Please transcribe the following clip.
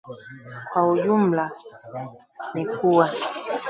Kwa ujumla ni kuwa